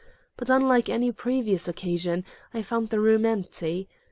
But unlike any previous occasion, I found the room empty.